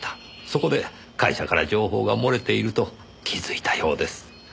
そこで会社から情報が漏れていると気づいたようです。